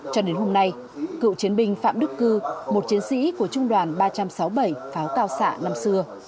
cho đến hôm nay cựu chiến binh phạm đức cư một chiến sĩ của trung đoàn ba trăm sáu mươi bảy pháo cao xạ năm xưa